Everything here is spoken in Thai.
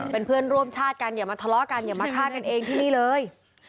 เป็นเพื่อนร่วมชาติกันอย่ามาทะเลาะกันอย่ามาฆ่ากันเองที่นี่เลย